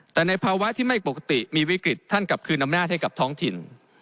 แต่ในภาวะที่ไม่ปกติมีวิกฤตท่านกลับคืนอำนาจให้กับท้องถิ่น